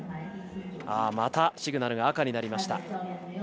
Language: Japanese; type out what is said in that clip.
また、シグナルが赤になりました。